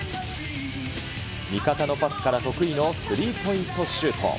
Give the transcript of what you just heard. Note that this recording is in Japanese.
味方のパスから得意のスリーポイントシュート。